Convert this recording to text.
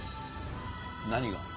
何が？